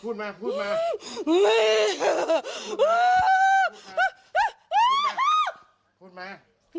พูดมาพูดมาพูดมา